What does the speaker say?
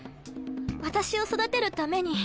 私を育てるために。